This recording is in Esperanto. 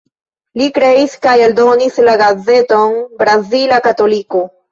Li kreis kaj eldonis la gazeton Brazila Katoliko.